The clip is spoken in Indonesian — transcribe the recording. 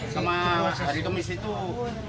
sama hari kemarin itu rp empat belas